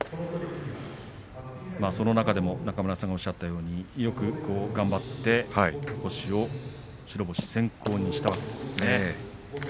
その中でも中村さんがおっしゃったようによく頑張って白星先行にしたわけですね。